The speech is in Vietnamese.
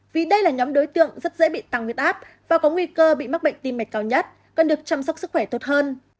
vì đây là nhóm đối tượng rất dễ bị tăng huyết áp và có nguy cơ bị mắc bệnh tim mạch cao nhất cần được chăm sóc sức khỏe tốt hơn